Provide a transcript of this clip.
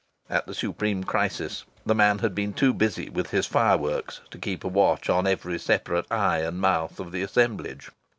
At the supreme crisis the man had been too busy with his fireworks to keep a watch on every separate eye and mouth of the assemblage.